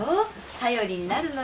頼りになるのよ